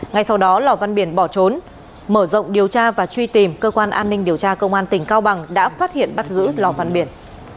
ngay sau đó lò văn biển bỏ trốn mở rộng điều tra và truy tìm cơ quan an ninh điều tra công an tỉnh cao bằng đã phát hiện bắt giữ lò văn biển